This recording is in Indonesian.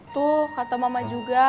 tuh kata mama juga